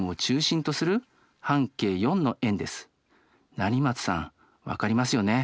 成松さん分かりますよね？